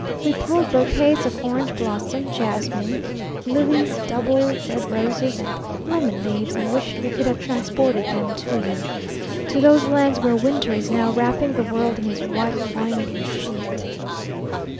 We pulled bouquets of orange blossom, jasmines, lilies, double red roses, and lemon leaves, and wished we could have transported them to you, to those lands where winter is now wrapping the world in his white winding sheet.